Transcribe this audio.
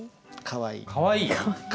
「かわいい」？